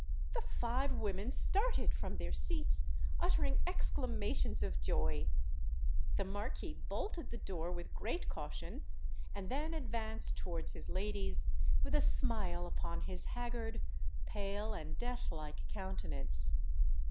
The five women started from their seats, uttering exclamations of joy. The Marquis bolted the door with great caution, and then advanced towards his ladies with a smile upon his haggard, pale, and death like countenance.